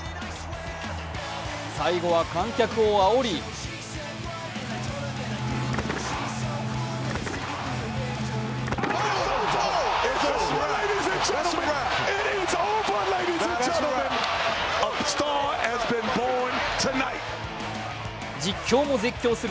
最後は観客をあおり実況も絶叫する